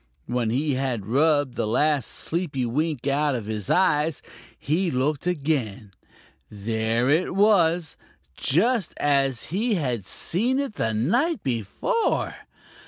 When he had rubbed the last sleepy wink out of his eyes, he looked again. There it was, just as he had seen it the night before!